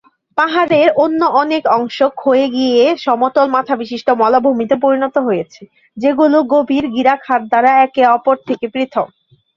পাহাড়ের অন্য অনেক অংশ ক্ষয়ে গিয়ে সমতল-মাথাবিশিষ্ট মালভূমিতে পরিণত হয়েছে, যেগুলি গভীর গিরিখাত দ্বারা একে অপর থেকে পৃথক।